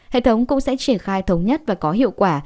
hệ thống cũng sẽ triển khai thống nhất và có hiệu quả